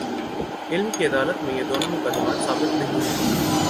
علم کی عدالت میں، یہ دونوں مقدمات ثابت نہیں ہیں۔